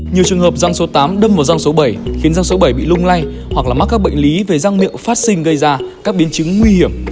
nhiều trường hợp răng số tám đâm vào răng số bảy khiến răng số bảy bị lung lay hoặc là mắc các bệnh lý về răng miệng phát sinh gây ra các biến chứng nguy hiểm